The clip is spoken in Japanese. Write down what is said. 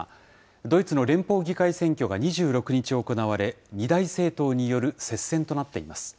ドイツの連邦議会選挙が２６日行われ、二大政党による接戦となっています。